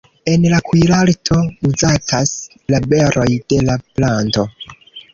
En la kuirarto uzatas la beroj de la planto.